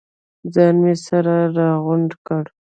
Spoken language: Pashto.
ځان مې سره راغونډ کړ.